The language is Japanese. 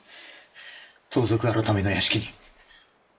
盗賊改の屋敷に。